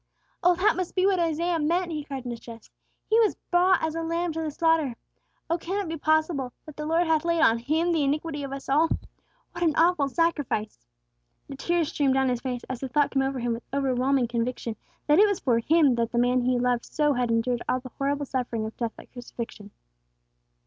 "Oh, that must be what Isaiah meant!" he cried in distress. "'He was brought as a lamb to the slaughter!' Oh, can it be possible that 'the Lord hath laid on Him the iniquity of us all'? What an awful sacrifice!" The tears streamed down his face as the thought came over him with overwhelming conviction, that it was for him that the man he loved so had endured all the horrible suffering of death by crucifixion.